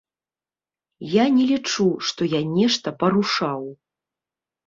Я не лічу, што я нешта парушаў.